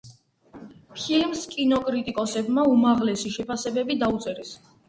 ფილმს კინოკრიტიკოსებმა უმაღლესი შეფასებები დაუწერეს.